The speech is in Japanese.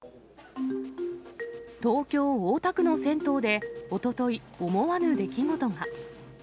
東京・大田区の銭湯で、おととい、思わぬ出来事が。